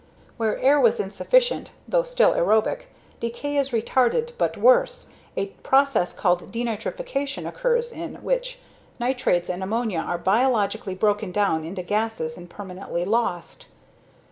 Where air was insufficient (though still aerobic) decay is retarded but worse, a process called denitrification occurs in which nitrates and ammonia are biologically broken down into gasses and permanently lost.